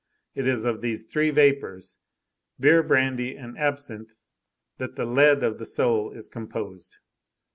It is of these three vapors, beer, brandy, and absinthe, that the lead of the soul is composed.